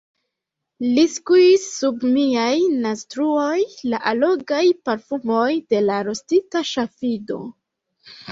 Li skuis sub miaj naztruoj la allogaj parfumoj de la rostita ŝafido.